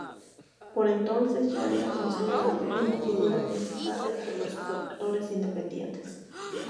Por entonces, ya era considerado una figura principal entre los productores independientes.